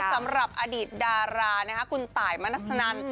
สำหรับอดีตดาราคุณตายมณัสนัน